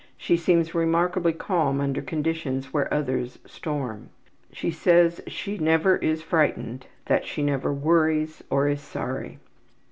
She seems remarkably calm under conditions where others storm. She says she never is frightened, that she never worries, or is sorry.